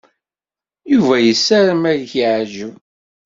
Yuba yessaram ad k-yeɛjeb.